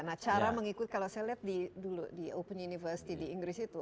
nah cara mengikuti kalau saya lihat dulu di open university di inggris itu